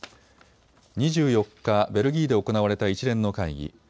２４日、ベルギーで行われた一連の会議。